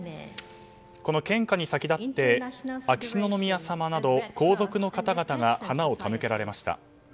この献花に先立って秋篠宮さまなど皇族の方々が花を手向けられました。